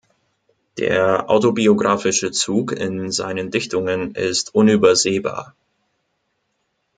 Der autobiografische Zug in seinen Dichtungen ist unübersehbar.